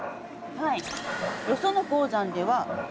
はい。